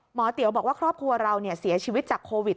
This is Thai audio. เตี๋ยวบอกว่าครอบครัวเราเสียชีวิตจากโควิด